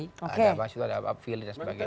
ada pak suda ada pak fili dan sebagainya